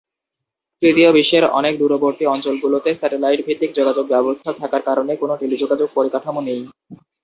তৃতীয় বিশ্বের অনেক দূরবর্তী অঞ্চলগুলোতে স্যাটেলাইট ভিত্তিক যোগাযোগ ব্যবস্থা থাকার কারণে কোন টেলিযোগাযোগ পরিকাঠামো নেই।